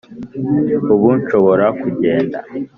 Ubu nshobora kugenda